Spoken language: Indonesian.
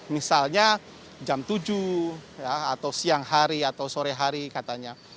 misalnya jam tujuh atau siang hari atau sore hari katanya